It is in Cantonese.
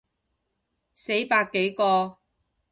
死百幾個